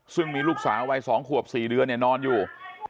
ซึ่งมีลูกสาววัย๒ขวบ๔เดือนนอนอยู่